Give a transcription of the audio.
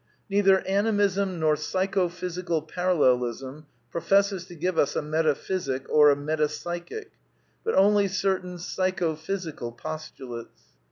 Neither Animism nor Psychophysical Parallelism pro jses to give us a Metaphysic or a Metapsychic ; but only certain psychophysical postulates.